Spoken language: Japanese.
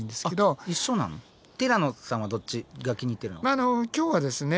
まああの今日はですね